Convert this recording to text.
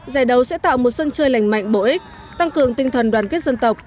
giải đấu sẽ tạo một sân chơi lành mạnh bổ ích tăng cường tinh thần đoàn kết dân tộc